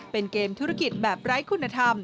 เป็นเกมธุรกิจแบบไร้คุณธรรม